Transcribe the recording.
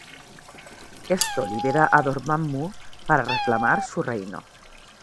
Esto libera a Dormammu para reclamar su reino.